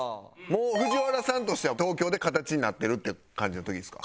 もうＦＵＪＩＷＡＲＡさんとしては東京で形になってるって感じの時ですか？